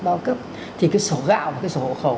bao cấp thì cái sổ gạo và cái sổ hộ khẩu